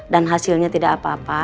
dan hasilnya tidak apa apa